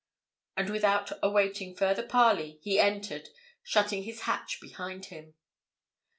And without awaiting further parley, he entered, shutting his hatch behind him.